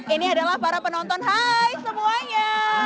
ini adalah para penonton hai semuanya